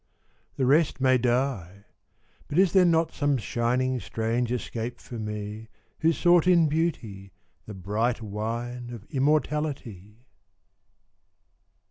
The rest may die but is there not Some shining strange escape for me Who sought in Beauty the bright wine Of immortality?